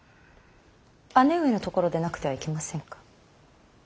姉上のところでなくてはいけませんか。